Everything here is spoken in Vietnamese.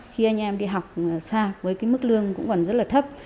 khi anh em đi học xa với cái mức lương cũng còn rất là thấp